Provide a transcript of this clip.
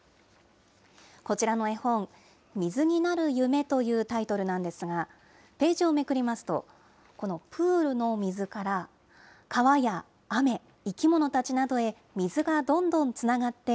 こちらの絵本、水になる夢というタイトルなんですが、ページをめくりますと、このプールの水から、川や雨、生き物たちなどへ、水がどんどんつながって、